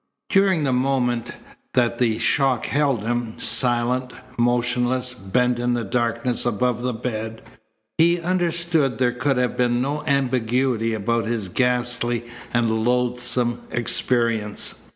During the moment that the shock held him, silent, motionless, bent in the darkness above the bed, he understood there could have been no ambiguity about his ghastly and loathsome experience.